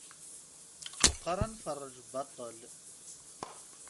Meqqar ad nferreǧ baṭṭel.